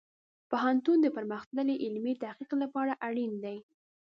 پوهنتون د پرمختللې علمي تحقیق لپاره اړین دی.